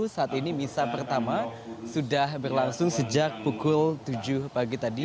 saat ini misa pertama sudah berlangsung sejak pukul tujuh pagi tadi